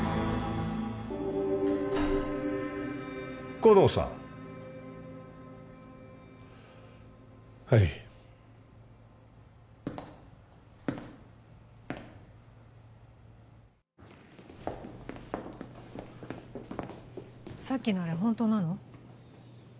護道さんはいさっきのあれ本当なの？